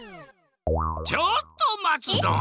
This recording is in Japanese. ちょっとまつドン！